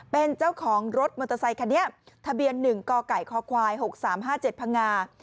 เป็นเจ้าของรถมอเตอร์ไซคันนี้ทะเบียน๑กไก่คควาย๖๓๕๗พังงา